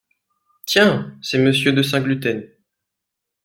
Tiens ! c’est Monsieur de Saint-Gluten !…